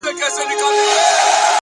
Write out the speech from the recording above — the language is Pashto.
داسي قبـاله مي په وجـود كي ده ـ